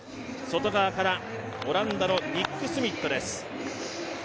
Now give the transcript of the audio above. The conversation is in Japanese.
外側から、オランダのニック・スミットです。